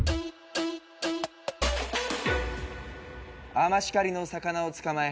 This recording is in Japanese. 「あましかりの魚を捕まえ」